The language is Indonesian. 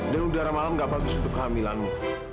dan udara malam enggak bagus untuk kehamilanmu